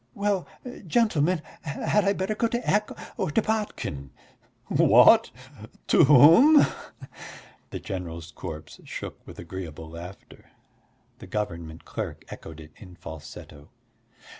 Well, gentlemen, had I better go to Ecke or to Botkin?" "What? To whom?" The general's corpse shook with agreeable laughter. The government clerk echoed it in falsetto.